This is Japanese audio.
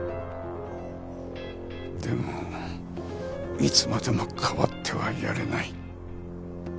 でもいつまでもかばってはやれない。